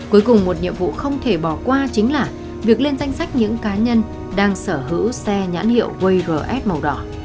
cuối cùng một nhiệm vụ không thể bỏ qua chính là việc lên danh sách những cá nhân đang sở hữu xe nhãn hiệu was màu đỏ